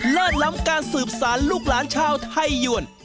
ล้ำการสืบสารลูกหลานชาวไทยยวน